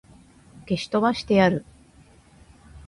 消し飛ばしてやる!